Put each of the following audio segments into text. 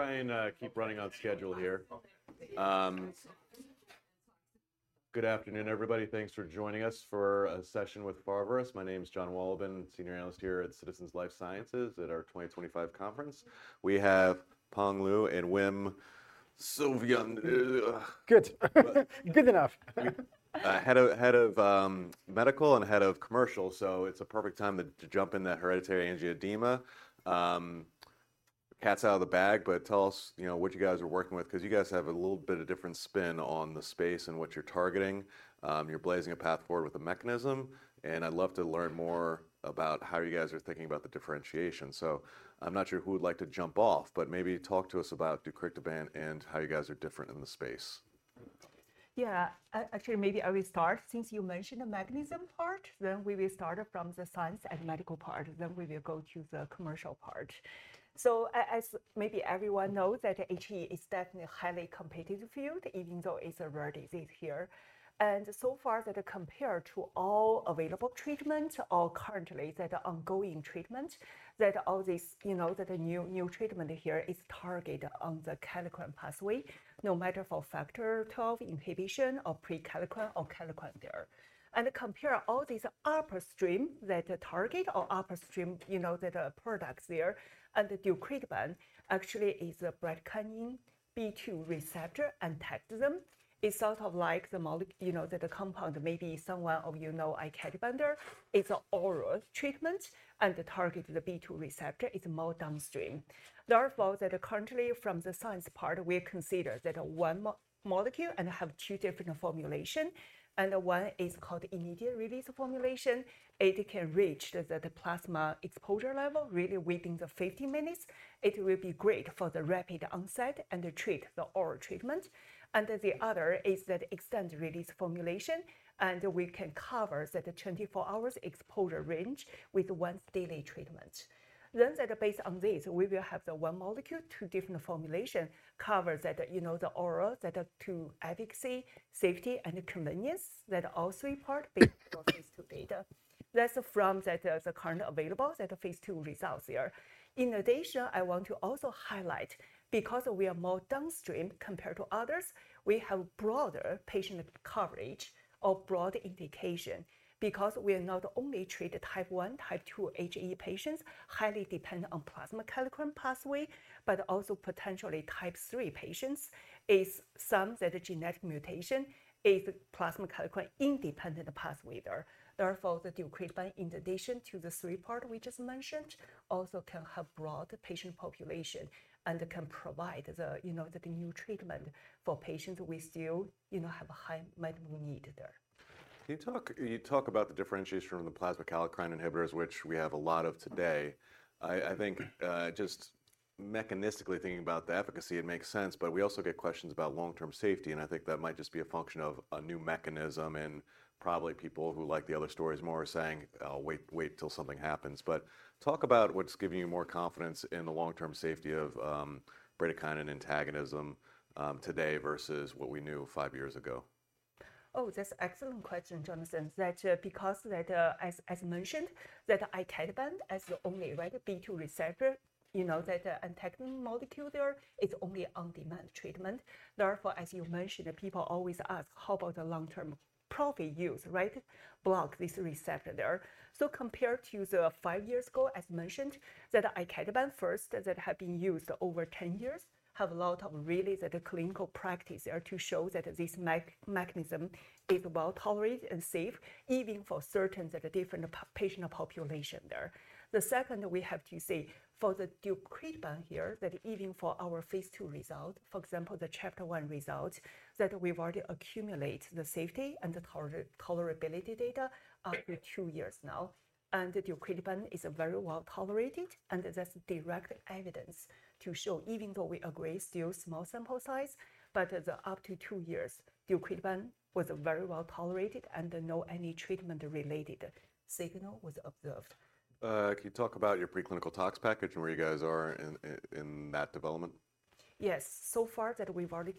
Trying to keep running on schedule here. Good afternoon, everybody. Thanks for joining us for a session with Pharvaris. My name is Jonathan Wolleben, Senior Analyst here at Citizens Life Sciences at our 2025 conference. We have Peng Lu and Wim Souverijns. Good. Good enough. Head of medical and head of commercial, so it's a perfect time to jump into hereditary angioedema. Cat's out of the bag, but tell us what you guys are working with because you guys have a little bit of different spin on the space and what you're targeting. You're blazing a path forward with the mechanism, and I'd love to learn more about how you guys are thinking about the differentiation. I'm not sure who would like to jump off, but maybe talk to us about deucrictibant and how you guys are different in the space. Yeah. Actually, maybe I will start since you mentioned the mechanism part. We will start from the science and medical part, then we will go to the commercial part. As maybe everyone knows that HAE is definitely a highly competitive field, even though it's a rare disease here. So far that compared to all available treatment or currently the ongoing treatment, that all this, the new treatment here is targeted on the kallikrein-kinin system, no matter for Factor XII inhibition or prekallikrein or kallikrein there. Compare all this upstream, that target or upstream, the products there and the deucrictibant actually is a bradykinin B2 receptor antagonism. It's sort of like the compound maybe someone of you know, icatibant. It's oral treatment and the target of the B2 receptor is more downstream. That currently from the science part, we consider that one molecule and have two different formulations. One is called immediate-release formulation. It can reach the plasma exposure level really within the 15 minutes. It will be great for the rapid onset and the oral treatment. The other is the extended-release formulation. We can cover the 24 hours exposure range with one daily treatment. Based on this, we will have the one molecule, two different formulations cover the oral, the two efficacy, safety, and convenience that all three parts in our phase II data. That's from the current available phase II results here. In addition, I want to also highlight, because we are more downstream compared to others, we have broader patient coverage or broad indication because we are not only treat type 1, type 2 HAE patients highly depend on plasma kallikrein-kinin system, but also potentially type 3 patients is some of the genetic mutation is plasma kallikrein-independent pathway there. Therefore, the deucrictibant in addition to the three part we just mentioned, also can have broad patient population and can provide the new treatment for patients we still have high medical need there. Can you talk about the differentiation from the plasma kallikrein inhibitors, which we have a lot of today? I think just mechanistically thinking about the efficacy, it makes sense, but we also get questions about long-term safety, and I think that might just be a function of a new mechanism and probably people who like the other stories more are saying, "Wait till something happens." Talk about what's giving you more confidence in the long-term safety of bradykinin antagonism today versus what we knew five years ago. That's excellent question, Jonathan. Because as mentioned, icatibant as the only B2 receptor antagonism molecule there, is only on-demand treatment. As you mentioned, people always ask, how about the long-term proper use, right? Block this receptor. Compared to the five years ago, as mentioned, icatibant first had been used over 10 years, have a lot of really the clinical practice there to show that this mechanism is well-tolerated and safe, even for certain different patient population there. The second we have to say, for the deucrictibant here, that even for our phase II result, for example, the CHAPTER-1 results that we've already accumulated the safety and the tolerability data up to two years now, and the deucrictibant is a very well tolerated, and that's direct evidence to show even though we agree still small sample size, but up to two years, deucrictibant was very well tolerated and no any treatment-related signal was observed. Can you talk about your pre-clinical tox package and where you guys are in that development? Yes. Far that we've already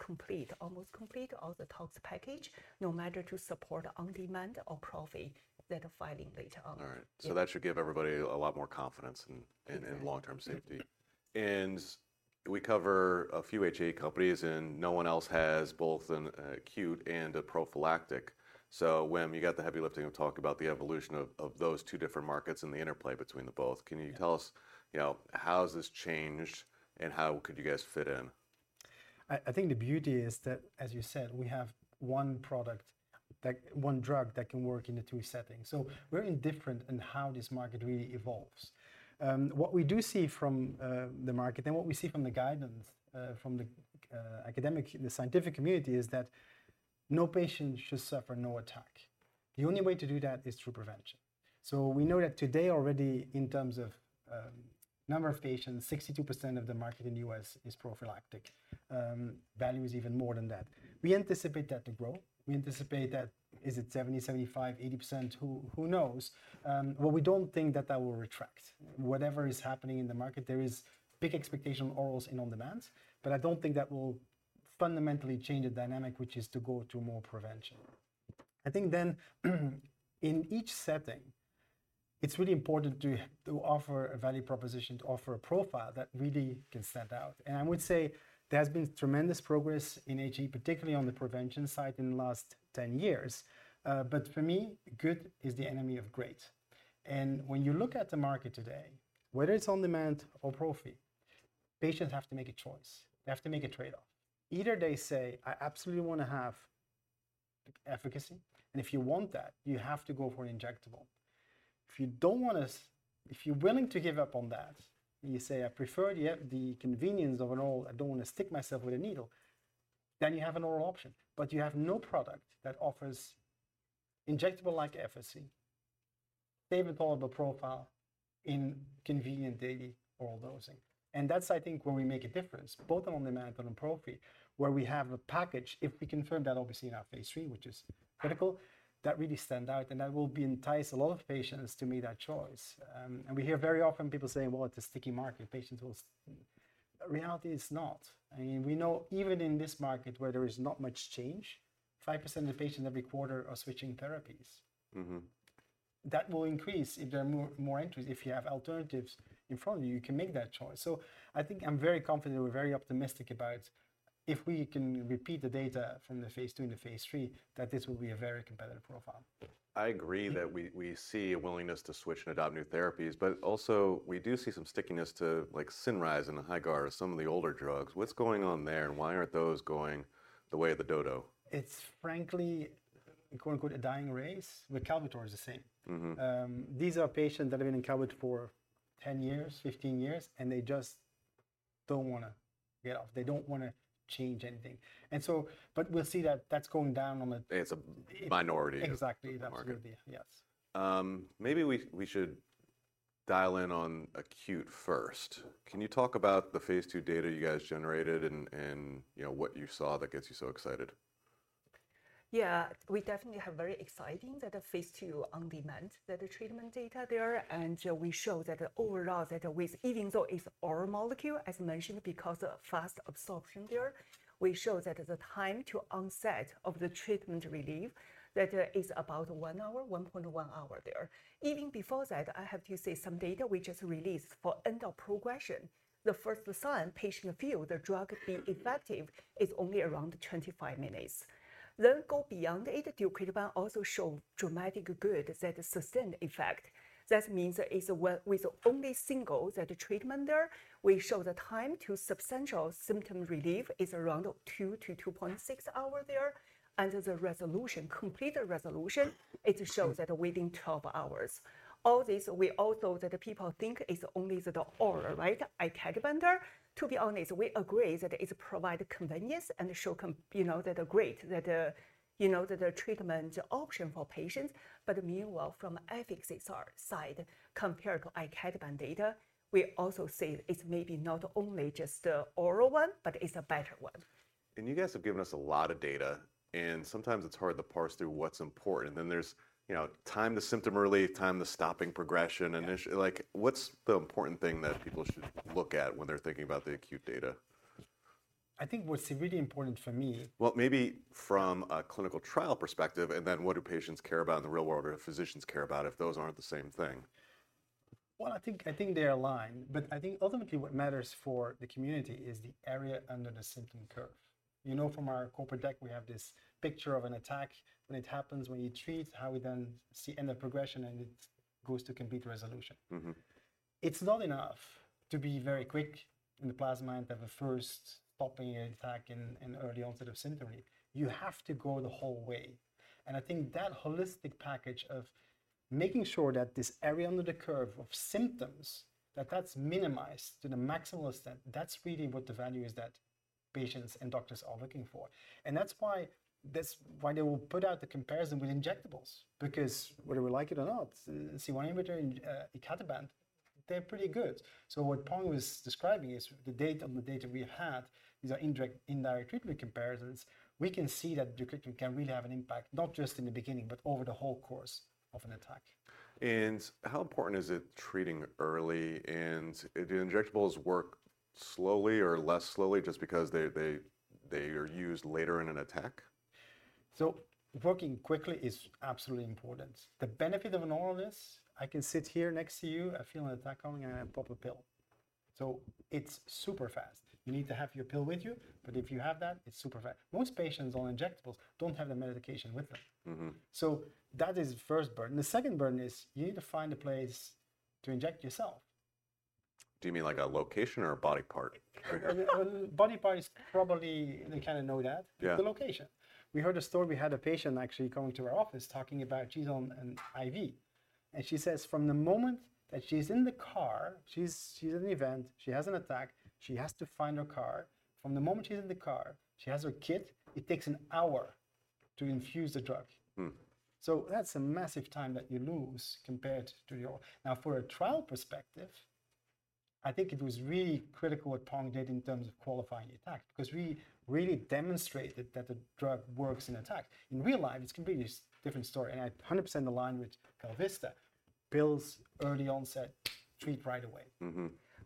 almost complete all the tox package, no matter to support on-demand or proper filing later on. All right. That should give everybody a lot more confidence in long-term safety. We cover a few HAE companies, and no one else has both an acute and a prophylactic. Wim, you got the heavy lifting. Talk about the evolution of those two different markets and the interplay between the both. Can you tell us how has this changed and how could you guys fit in? I think the beauty is that, as you said, we have one product, one drug that can work in the two settings. Very different in how this market really evolves. What we do see from the market and what we see from the guidance from the academic and the scientific community is that no patient should suffer no attack. The only way to do that is through prevention. We know that today already, in terms of number of patients, 62% of the market in the U.S. is prophylactic. That is even more than that. We anticipate that to grow. We anticipate that is it 70%, 75%, 80%? Who knows? We don't think that that will retract. Whatever is happening in the market, there is big expectation on all on-demands, but I don't think that will fundamentally change the dynamic, which is to go to more prevention. I think in each setting, it's really important to offer a value proposition, to offer a profile that really can stand out. I would say there's been tremendous progress in HAE, particularly on the prevention side in the last 10 years. For me, good is the enemy of great. When you look at the market today, whether it's on-demand or prophy, patients have to make a choice. They have to make a trade-off. Either they say, "I absolutely want to have efficacy." If you want that, you have to go for an injectable. If you're willing to give up on that, you say, "I prefer the convenience of an oral. I don't want to stick myself with a needle," you have an oral option. You have no product that offers injectable-like efficacy with all the profile in convenient daily oral dosing. That's, I think, where we make a difference, both on-demand and on prophy, where we have a package, if we confirm that obviously in our phase III, which is critical, that really stands out, and that will entice a lot of patients to make that choice. We hear very often people say, "Well, it's a sticky market." Reality is not. We know even in this market where there is not much change, 5% of patients every quarter are switching therapies. That will increase if there are more entries. If you have alternatives in front of you can make that choice. I think I'm very confident. We're very optimistic about if we can repeat the data from the phase II and the phase III, that this will be a very competitive profile. I agree that we see a willingness to switch and adopt new therapies, but also we do see some stickiness to like CINRYZE and HAEGARDA or some of the older drugs. What's going on there? Why aren't those going the way of the dodo? It's frankly, we call it a dying race, but Kalbitor's the same. These are patients that have been on Kalbitor for 10 years, 15 years, and they just don't want to give up. They don't want to change anything. We'll see that's going down on the. It's a minority. Exactly. That's going to be. Yes. Maybe we should dial in on acute first. Can you talk about the Phase II data you guys generated and what you saw that gets you so excited? We definitely have very exciting data, phase II, on-demand, the treatment data there, and we show that overall that with even though it's oral molecule, as mentioned, because of fast absorption there, we show that the time to onset of the treatment relief, that there is about one hour, 1.1 hours there. Even before that, I have to say, some data we just released for end of progression, the first sign patient feel the drug being effective is only around 25 minutes. Go beyond it, deucrictibant also show dramatic good sustained effect. That means that with only single treatment there, we show the time to substantial symptom relief is around two to 2.6 hours there. The resolution, complete resolution, it shows that within 12 hours. All this, we also that people think is only the oral, right, icatibant. To be honest, we agree that it provide convenience and show that great, that the treatment option for patients. Meanwhile, from efficacy side, compared to icatibant data, we also say it's maybe not only just the oral one, but it's a better one. You guys have given us a lot of data, and sometimes it's hard to parse through what's important. There's time to symptom relief, time to stopping progression. What's the important thing that people should look at when they're thinking about the acute data? I think what's really important for me. Maybe from a clinical trial perspective, and then what do patients care about in the real world or physicians care about if those aren't the same thing? Well, I think they align, but I think ultimately what matters for the community is the area under the symptom curve. You know from our corporate deck, we have this picture of an attack. When it happens, when you treat, how we then see end of progression, and it goes to complete resolution. It's not enough to be very quick in the plasma and have a first stopping attack in early onset of symptom. You have to go the whole way. I think that holistic package of making sure that this area under the symptom curve, that's minimized to the maximal extent. That's really what the value is that patients and doctors are looking for. That's why they will put out the comparison with injectables because whether we like it or not, sevelamer and icatibant, they're pretty good. What Peng was describing is the data we have is indirect treatment comparisons. We can see that deucrictibant can really have an impact, not just in the beginning but over the whole course of an attack. How important is it treating early? Do injectables work slowly or less slowly just because they are used later in an attack? Working quickly is absolutely important. The benefit of an oral is I can sit here next to you, I feel an attack coming, and I pop a pill. It's super fast. You need to have your pill with you, but if you have that, it's super fast. Most patients on injectables don't have their medication with them. That is the first burden. The second burden is you need to find a place to inject yourself. Do you mean like a location or a body part? Body part is probably in kind of no doubt. Yeah. The location. We heard a story. We had a patient actually come to our office talking about she's on an IV. She says from the moment that she's in the car, she's at an event, she has an attack, she has to find her car. From the moment she's in the car, she has her kit. It takes an hour to infuse the drug. That's a massive time that you lose compared to oral. Now, for a trial perspective, I think it was really critical what Peng did in terms of qualifying attack because we really demonstrated that the drug works in attack. In real life, it's completely different story, and I 100% align with KalVista. Bell's early onset treat right away.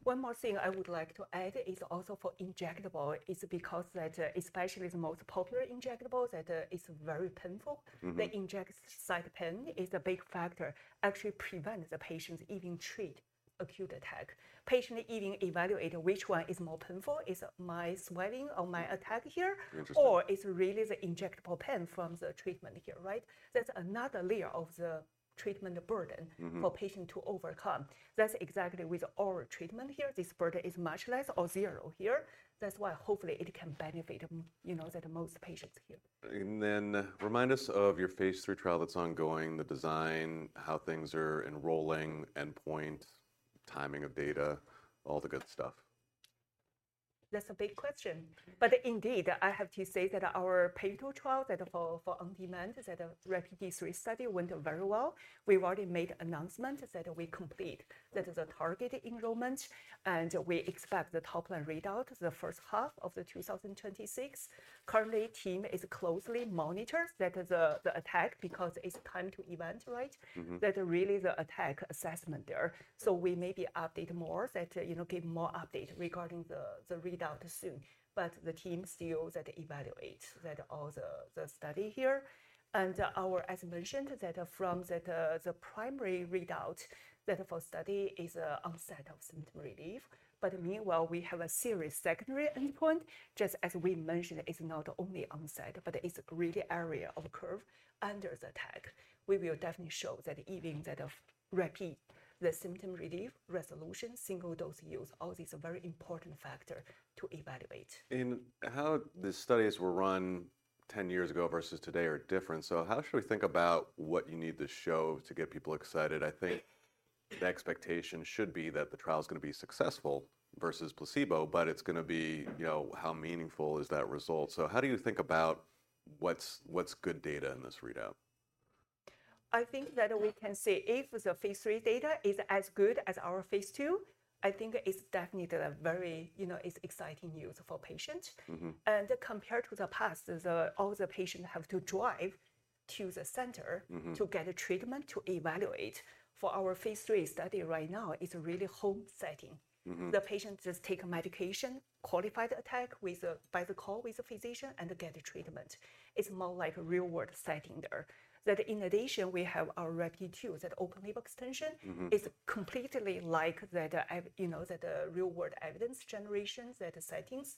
One more thing I would like to add is also for injectable, it's because that, especially the most popular injectable, that it's very painful. The inject site pain is a big factor, actually prevents the patients even treat acute attack. Patient even evaluating which one is more painful, is my swelling or my attack here? Interesting. It's really the injectable pain from the treatment here, right? That's another layer of the treatment burden for patient to overcome. That's exactly with oral treatment here, this burden is much less or zero here. Hopefully it can benefit most patients here. Remind us of your phase III trial that's ongoing, the design, how things are enrolling, endpoint, timing of data, all the good stuff? That's a big question. Indeed, I have to say that our phase II trial for on-demand, that RAPIDe-3 study went very well. We've already made announcement that we complete the target enrollment, and we expect the top-line readout the first half of the 2026. Currently, team is closely monitor the attack because it's time to event, right? Really the attack assessment there. We maybe update more, give more update regarding the readout soon. The team still evaluate that all the study here. As mentioned, that from the primary readout, that for study is a onset of symptom relief. Meanwhile, we have a serious secondary endpoint. Just as we mentioned, is not only onset, but it's really area under the symptom curve. We will definitely show that even that repeat the symptom relief, resolution, single dose use, all these are very important factor to evaluate. How the studies were run 10 years ago versus today are different. How should we think about what you need to show to get people excited? I think the expectation should be that the trial's going to be successful versus placebo, but it's going to be how meaningful is that result. How do you think about what's good data in this readout? I think that we can say if the phase III data is as good as our phase II, I think it's definitely the very exciting news for patient. Compared to the past, all the patient have to drive to the center to get a treatment, to evaluate. For our phase III study right now, it's really home setting. The patient just take medication, qualify the attack by the call with the physician, and get the treatment. It's more like a real-world setting there. In addition, we have our RAPIDe-2, that open label extension is completely like the real world evidence generations that settings.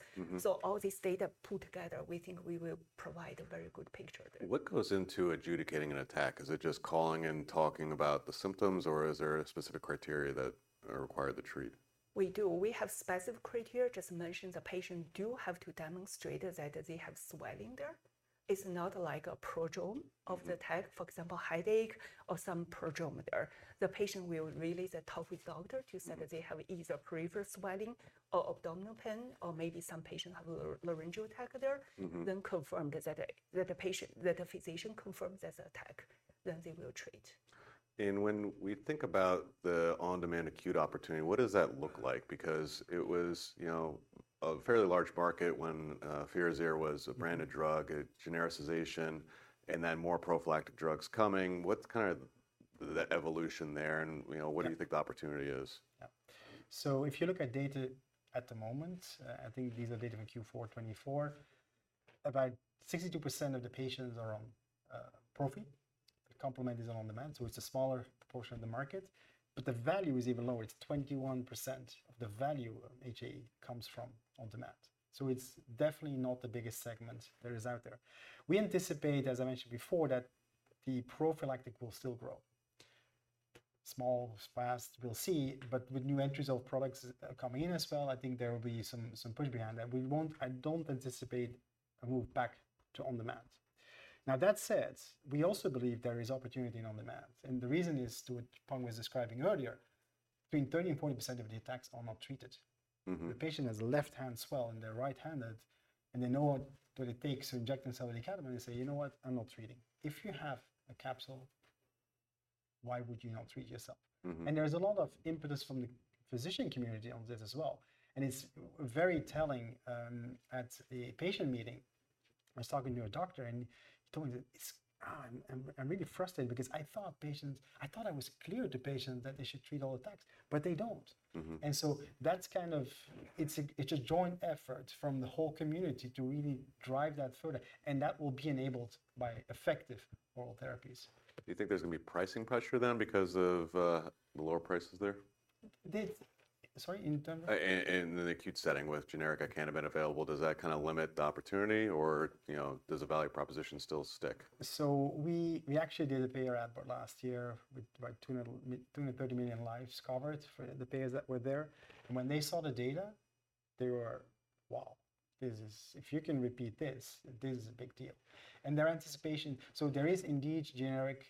All this data put together, we think we will provide a very good picture there. What goes into adjudicating an attack? Is it just calling and talking about the symptoms, or is there a specific criteria that require the treatment? We do. We have specific criteria. Just mentioned the patient do have to demonstrate that they have swelling there. It's not like a prodrome of the attack, for example, headache or some prodrome there. The patient will really talk with doctor to say that they have either peripheral swelling or abdominal pain, or maybe some patient have laryngeal attack there. Confirmed that the physician confirms that's an attack, then they will treat. When we think about the on-demand acute opportunity, what does that look like? Because it was a fairly large market when FIRAZYR was a branded drug, a genericization, and then more prophylactic drugs coming. What's kind of the evolution there, and what do you think the opportunity is? If you look at data at the moment, I think these are data from Q4 2024, about 62% of the patients are on prophy. The complement is on-demand, it's a smaller proportion of the market, the value is even lower. It's 21% of the value of HAE comes from on-demand. It's definitely not the biggest segment there is out there. We anticipate, as I mentioned before, that the prophylactic will still grow. Small, fast, we'll see, but with new entries of products coming in as well, I think there will be some push behind that. I don't anticipate a move back to on-demand. Now, that said, we also believe there is opportunity in on-demand, the reason is to what Peng was describing earlier, between 30%-40% of the attacks are not treated. The patient has left hand swell and they're right-handed, and they know what it takes to inject themselves with the icatibant. They say, "You know what? I'm not treating." If you have a capsule, why would you not treat yourself? There is a lot of impetus from the physician community on this as well, and it's very telling. At a patient meeting, I was talking to a doctor and he told me that, "I'm really frustrated because I thought I was clear to patients that they should treat all attacks, but they don't. It's a joint effort from the whole community to really drive that further, and that will be enabled by effective oral therapies. Do you think there's going to be pricing pressure then because of the lower prices there? Sorry, in terms of? In an acute setting with generic icatibant available, does that kind of limit the opportunity or does the value proposition still stick? We actually did a payer ad board last year with about 230 million lives covered for the payers that were there. When they saw the data, they were, "Wow, if you can repeat this is a big deal." Their anticipation. There is indeed generic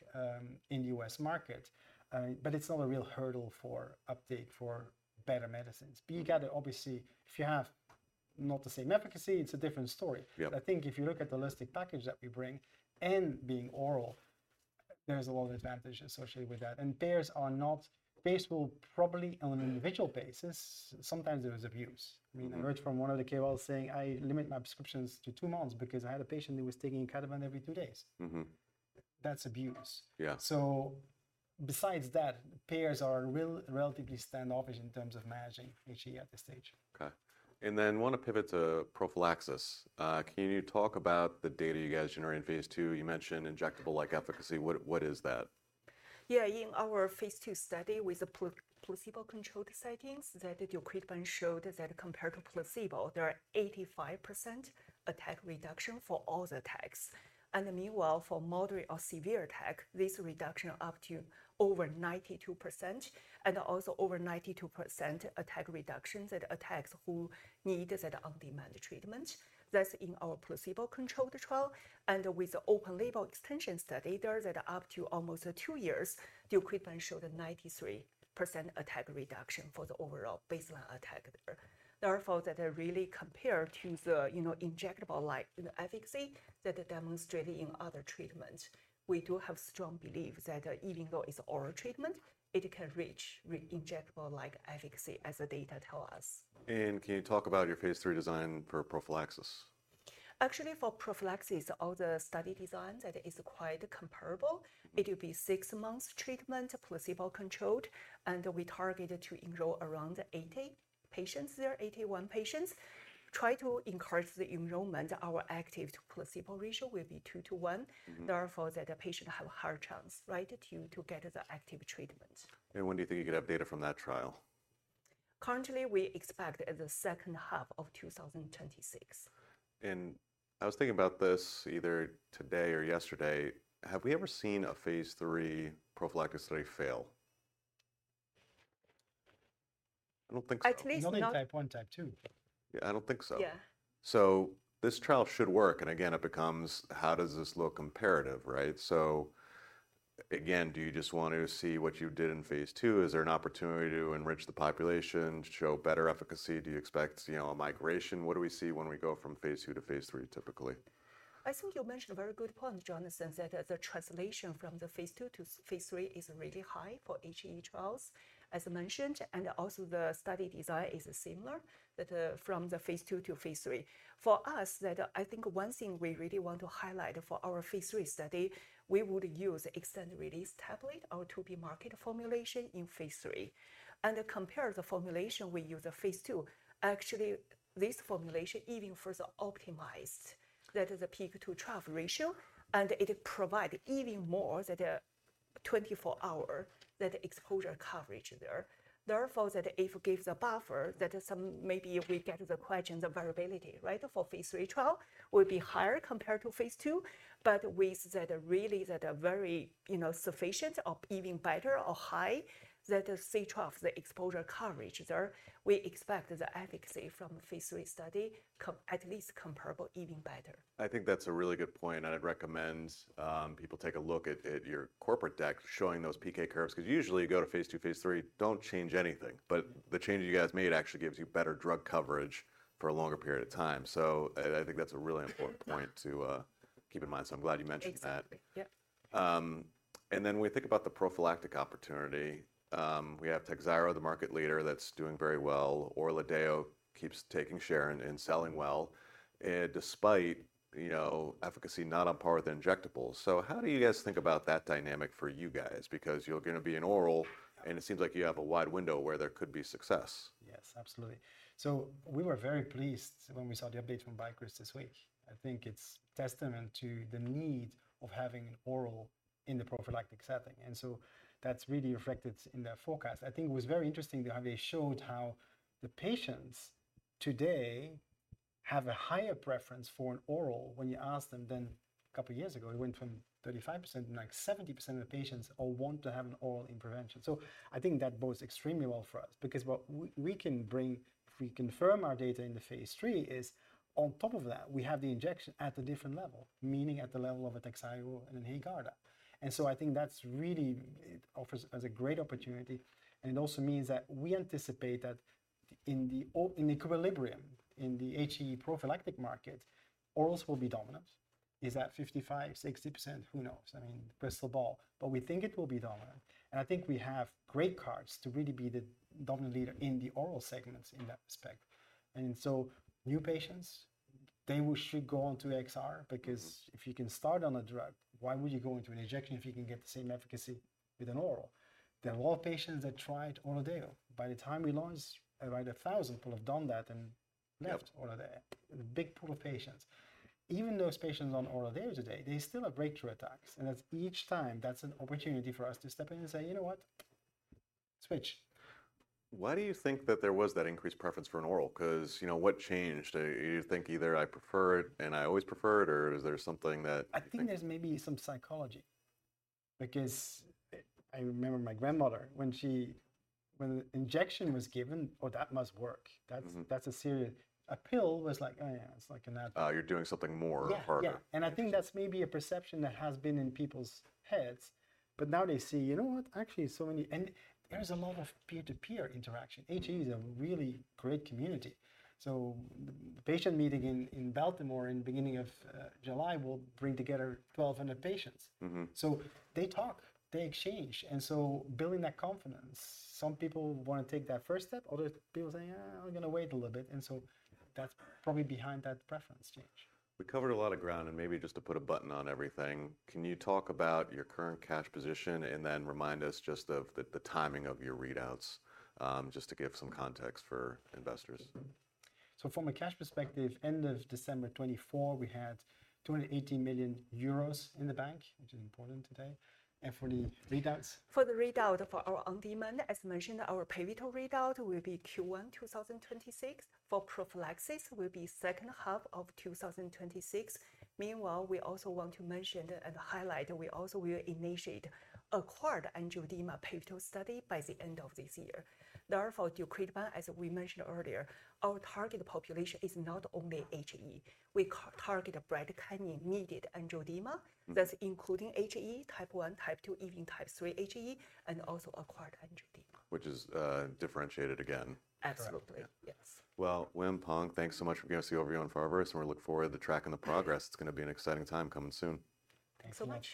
in U.S. market. It's not a real hurdle for uptake for better medicines. You got to obviously, if you have not the same efficacy, it's a different story. Yep. I think if you look at the holistic package that we bring and being oral, there's a lot of advantage associated with that. Payers will probably on an individual basis, sometimes there is abuse. I mean, I heard from one of the KOLs saying, "I limit my prescriptions to two months because I had a patient who was taking icatibant every two days. That's abuse. Yeah. Besides that, payers are relatively standoffish in terms of managing HAE at this stage. Okay. I want to pivot to prophylaxis. Can you talk about the data you guys generated in phase II? You mentioned injectable-like efficacy. What is that? In our phase II study with the placebo-controlled settings, the data showed that compared to placebo, there are 85% attack reduction for all the attacks. Meanwhile, for moderate or severe attack, this reduction up to over 92% and also over 92% attack reductions at attacks who needed that on-demand treatment. That's in our placebo-controlled trial. With the open label extension study there, that up to almost two years, the data showed a 93% attack reduction for the overall baseline attack there. That really compared to the injectable-like efficacy that they demonstrated in other treatments. We do have strong belief that even though it's oral treatment, it can reach with injectable-like efficacy as the data tell us. Can you talk about your phase III design for prophylaxis? Actually, for prophylaxis, all the study design that is quite comparable. It will be six months treatment, placebo-controlled, and we targeted to enroll around the 80 patients there, 81 patients, try to encourage the enrollment. Our active placebo ratio will be 2:1. Therefore, that the patient have a higher chance to get the active treatment. When do you think you get data from that trial? Currently, we expect the second half of 2026. I was thinking about this either today or yesterday. Have we ever seen a phase III prophylactic study fail? I don't think so. At least not- Only type 1, 2. Yeah, I don't think so. Yeah. This trial should work, and again, it becomes how does this look comparative, right? Again, do you just want to see what you did in phase II? Is there an opportunity to enrich the population to show better efficacy? Do you expect to see migration? What do we see when we go from phase II to phase III, typically? I think you mentioned a very good point, Jonathan, that the translation from the phase II to phase III is really high for HAE, as mentioned. Also, the study design is similar from the phase II to phase III. For us, I think one thing we really want to highlight for our phase III study, we would use extended-release tablet, our to-be-marketed formulation in phase III. Compare the formulation we use in phase II. Actually, this formulation even further optimized that is a peak to trough ratio, and it provide even more that 24-hour that exposure coverage there. Therefore, that it gives a buffer that some maybe we get the questions of variability. For phase III trial, will be higher compared to phase II, but with that really very sufficient or even better or high that C trough of the exposure coverage there. We expect the efficacy from the phase III study at least comparable, even better. I think that's a really good point. I'd recommend people take a look at your corporate deck showing those PK curves, because usually you go to phase II, phase III, don't change anything. The change you guys made actually gives you better drug coverage for a longer period of time. I think that's a really important point to keep in mind. I'm glad you mentioned that. Exactly. Yeah. When we think about the prophylactic opportunity, we have TAKHZYRO, the market leader that's doing very well. ORLADEYO keeps taking share and selling well, despite efficacy not on par with injectables. How do you guys think about that dynamic for you guys? Because you're going to be an oral, and it seems like you have a wide window where there could be success. Yes, absolutely. We were very pleased when we saw the update from BioCryst this week. I think it's testament to the need of having oral in the prophylactic setting, that's really reflected in their forecast. I think it was very interesting how they showed how the patients today have a higher preference for an oral when you ask them than a couple of years ago. It went from 35% to like 70% of patients all want to have an oral intervention. I think that bodes extremely well for us because what we can bring if we confirm our data in the phase III is on top of that, we have the injection at a different level, meaning at the level of a TAKHZYRO and HAEGARDA. I think that really offers as a great opportunity and also means that we anticipate that in equilibrium, in the HAE prophylactic market, orals will be dominant. Is that 55%, 60%? Who knows? I mean, crystal ball. We think it will be dominant, and I think we have great cards to really be the dominant leader in the oral segment in that respect. New patients, they should go onto XR because if you can start on a drug, why would you go into an injection if you can get the same efficacy with an oral? There are a lot of patients that tried ORLADEYO. By the time we launch, around 1,000 would have done that and left ORLADEYO. A big pool of patients. Even those patients on ORLADEYO today, they still have breakthrough attacks, and each time, that's an opportunity for us to step in and say, "You know what. Switch. Why do you think that there was that increased preference for an oral? What changed? Do you think either I prefer it and I always preferred, or is there something that. I think there's maybe some psychology, because I remember my grandmother when injection was given, oh, that must work. That's a serious A pill was like, "Oh, yeah. It's like. You're doing something more, harder. Yeah. I think that's maybe a perception that has been in people's heads, but now they see, you know what? Actually, there's a lot of peer-to-peer interaction. HAE is a really great community. Patient meeting in Baltimore in beginning of July will bring together 1,200 patients. They talk, they exchange, and so building that confidence. Some people want to take that first step, other people say, "I'm going to wait a little bit." That's probably behind that preference change. We covered a lot of ground, and maybe just to put a button on everything, can you talk about your current cash position and then remind us just of the timing of your readouts, just to give some context for investors? From a cash perspective, end of December 2024, we had 218 million euros in the bank, which is important today. For the readouts, for our on-demand, as mentioned, our pivotal readout will be Q1 2026. For prophylaxis, will be second half of 2026. Meanwhile, we also want to mention and highlight we also will initiate acquired angioedema pivotal study by the end of this year. Therefore, deucrictibant, as we mentioned earlier, our target population is not only HAE. We target a broad primary needed angioedema. That's including HAE Type 1, Type 2, even Type 3 HAE, and also acquired angioedema. Which is differentiated again. Absolutely. Yes. Well, Wim, Peng, thanks so much. We're going to see you over here on Pharvaris, and we look forward to tracking the progress. It's going to be an exciting time coming soon. Thanks so much.